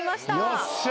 よっしゃ。